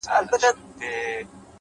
د باران وروسته کوڅه تل نوې ښکاري’